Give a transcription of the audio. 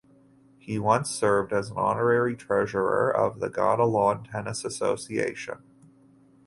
He once served as an Honorary Treasurer of the Ghana Lawn Tennis Association.